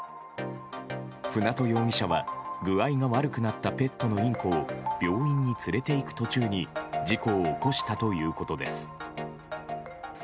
舟渡容疑者は具合が悪くなったペットのインコを病院に連れていく途中に事故を起こしたということです。